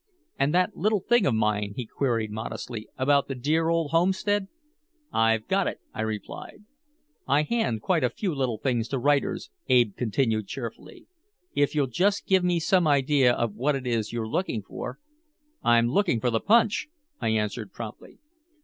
"And that little thing of mine," he queried modestly, "about the dear old homestead." "I've got it," I replied. "I hand quite a few little things to writers," Ab continued cheerfully. "If you'll just give me some idea of what it is you're looking for " "I'm looking for the punch," I answered promptly.